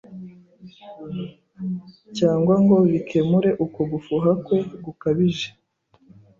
cyangwa ngo bikemure uko gufuha kwe gukabije.